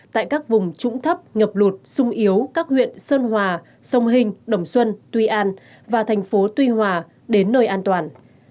tại các vùng trũng thấp ngập lụt sung yếu các huyện sơn hòa sông hình đồng xuân tuy an và thành phố tuy hòa đến nơi an toàn